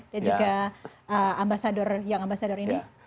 dan juga ambasador yang ambasador ini